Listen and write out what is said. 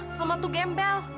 sama tuh gembel